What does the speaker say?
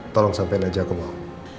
tolong sampein aja aku mau